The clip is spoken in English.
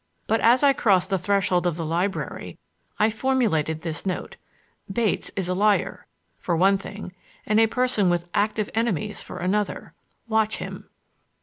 But as I crossed the threshold of the library I formulated this note: "Bates is a liar, for one thing, and a person with active enemies for another; watch him."